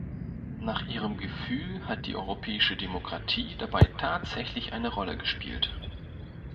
Nach ihrem Gefühl hat die europäische Demokratie dabei tatsächlich eine Rolle gespielt.